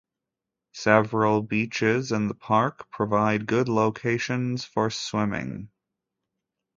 Several beaches in the park provide good locations for swimming.